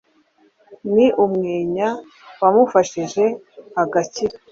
ni umwenya wamufashije agakira